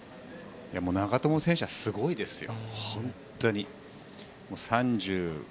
長友選手はすごいですよ。